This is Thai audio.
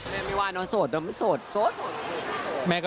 แม่ค่ะแม่ค่ะ